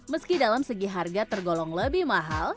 meski dalam segi harga tergolong lebih mahal